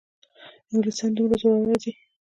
انګلیسیان دومره زورور دي.